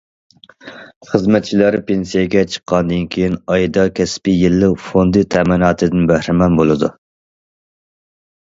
خىزمەتچىلەر پېنسىيەگە چىققاندىن كېيىن، ئايدا كەسپىي يىللىق فوندى تەمىناتىدىن بەھرىمەن بولىدۇ.